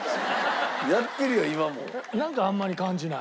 なんかあんまり感じない。